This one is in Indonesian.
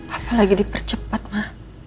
apa lagi dipercepat ma